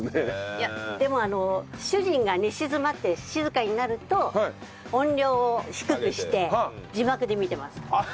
いやでも主人が寝静まって静かになると音量を低くして字幕で見てます。